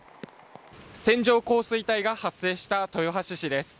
線状降水帯が発生した豊橋市です。